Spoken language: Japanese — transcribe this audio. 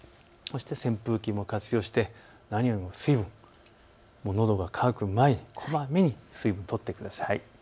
扇風機も活用して何よりも水分、のどが渇く前にこまめに水分をとってください。